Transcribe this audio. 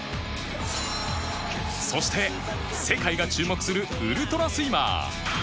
そして世界が注目するウルトラスイマー